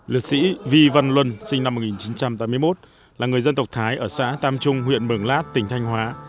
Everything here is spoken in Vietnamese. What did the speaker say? liệt sĩ vy văn luân sinh năm một nghìn chín trăm tám mươi một là người dân tộc thái ở xã tam trung huyện mường lát tỉnh thanh hóa